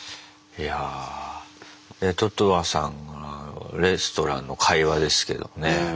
いやととあさんのあのレストランの会話ですけどもね